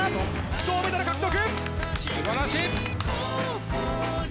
銅メダル獲得！